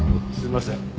すいません。